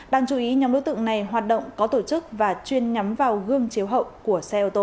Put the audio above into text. đáng chú ý nhóm đối tượng này hoạt động có tổ chức và chuyên nhắm vào gương chiếu hậu của xe ô tô